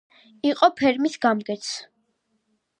იყო ფერმის გამგეც.